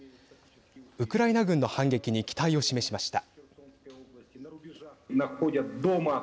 ウクライナ軍の反撃に期待を示しました。